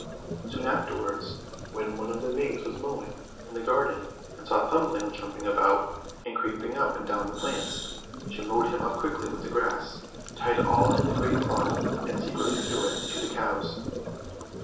Soon afterwards when one of the maids was mowing in the garden, and saw Thumbling jumping about and creeping up and down the plants, she mowed him up quickly with the grass, tied all in a great cloth, and secretly threw it to the cows.